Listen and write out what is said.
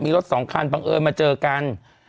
มีรถสองคันบังเอิญมาเจอกัน